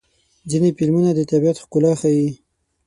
ځینې فلمونه د طبیعت ښکلا ښيي.